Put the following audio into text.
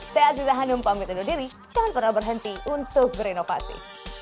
saya aziza hanum pamit undur diri jangan pernah berhenti untuk berinovasi